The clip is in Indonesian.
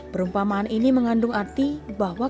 perumpamaan ini mengandung arti bahwa